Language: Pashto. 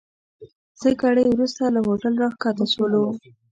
څه ګړی وروسته له هوټل راکښته سولو.